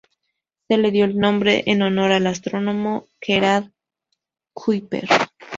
Se le dio el nombre en honor al astrónomo Gerard Kuiper.